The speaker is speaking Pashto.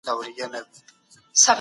استاد وویل چې هیڅکله مه تسلیمېږئ.